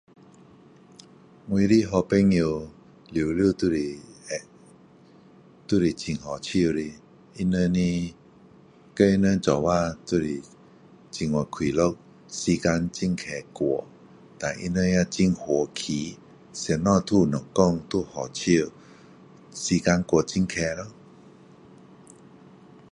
我的好朋友全部会都是很好笑的他们的跟他们一起都是很快乐时间很快过胆他们也很和气什么都好讲什么都好笑时间过很快咯